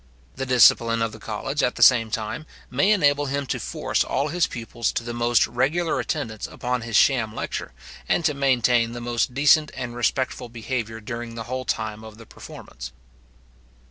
The discipline of the college, at the same time, may enable him to force all his pupils to the most regular attendance upon his sham lecture, and to maintain the most decent and respectful behaviour during the whole time of the performance.